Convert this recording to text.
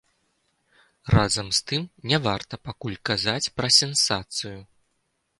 Разам з тым, не варта пакуль казаць пра сенсацыю.